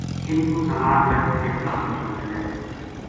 جن پو سامان لد کے تہنا پچھاں چلے تھو